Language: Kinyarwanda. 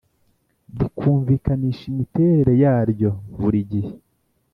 bikumvikanisha imiterere yaryo burigihe